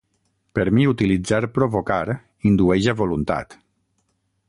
Per mi utilitzar "provocar" indueix a voluntat.